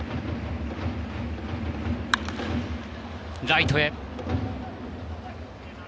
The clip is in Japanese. ライトへ。